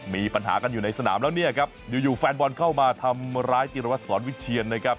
มีปัญหากันอยู่ในสนามแล้วเนี่ยครับอยู่แฟนบอลเข้ามาทำร้ายจิรวัตรสอนวิเชียนนะครับ